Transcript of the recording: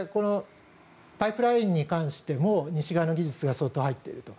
パイプラインに関しても西側の技術が相当入っていると。